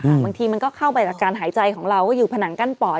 บางทีมันก็เข้าไปจากการหายใจของเราก็อยู่ผนังกั้นปอด